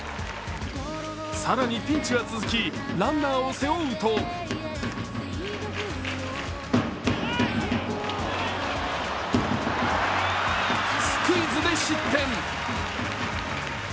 更にピンチは続きランナーを背負うとスクイズで失点。